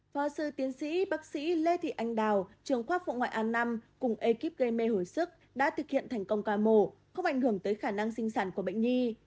phó sư tiến sĩ bác sĩ lê thị anh đào trường khoa phụ ngoại a năm cùng ekip gây mê hồi sức đã thực hiện thành công ca mổ không ảnh hưởng tới khả năng sinh sản của bệnh nhi